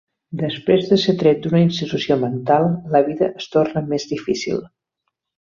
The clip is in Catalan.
Després de ser tret d'una institució mental, la vida es torna més difícil.